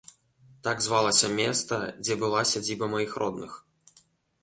Так звалася места, дзе была сядзіба маіх родных.